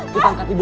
kita angkat ibu